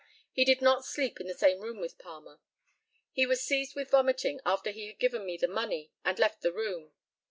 He did not sleep in the same room with Palmer. He was seized with vomiting after he had given me the money, and left the room.